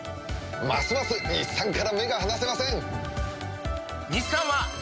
ますます日産から目が離せません！